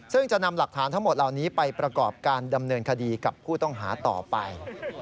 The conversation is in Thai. ซึ่งจะนำหลักฐานทั้งหมดเหล่านี้ไปประกอบการดำเนินคดีกับผู้ต้องหาต่อไป